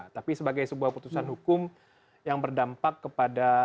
tapi sebagai sebuah putusan hukum yang berdampak kepada